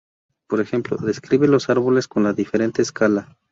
Por ejemplo, describe los árboles con la diferente escala.